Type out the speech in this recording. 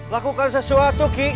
lakukan sesuatu ki